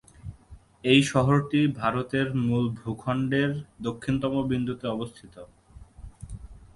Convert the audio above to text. এই শহরটি ভারতের মূল ভূখণ্ডের দক্ষিণতম বিন্দুতে অবস্থিত।